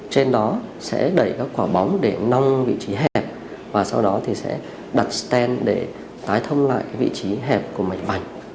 trên đó sẽ đẩy các quả bóng để nong vị trí hẹp và sau đó thì sẽ đặt sten để tái thông lại vị trí hẹp của mạch vành